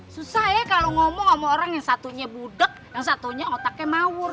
susah ya kalau ngomong sama orang yang satunya budeg yang satunya otaknya mawur